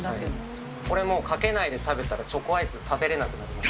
これ、かけないで食べたらチョコアイス食べれなくなります。